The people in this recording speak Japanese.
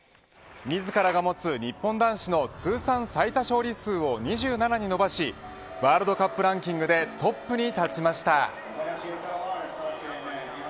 自らが持つ日本男子の通算最多勝利数を２７に伸ばしワールドカップランキングでトップに立ちました。